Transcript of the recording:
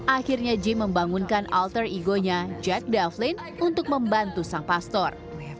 akhirnya jim membangunkan alter ego nya jack dufflin untuk membantu sang pastor